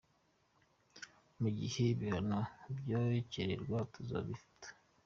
Mu gihe ibihano vyokenerwa , tuzobifata.